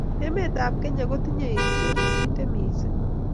emeetab kenya kotinye historii kintee misiing